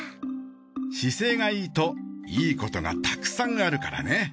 姿勢がいいといいことがたくさんあるからね。